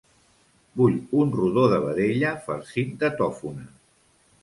Vull un rodó de vedella farcit de tòfona.